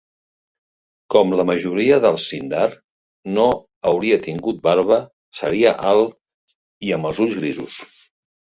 Com la majoria dels sindar, no hauria tingut barba, seria alt i amb els ulls grisos.